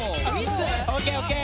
３つ？